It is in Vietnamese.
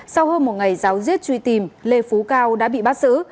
sau hơn một ngày giáo diết truy tìm lê phú cao đã bị bắt xử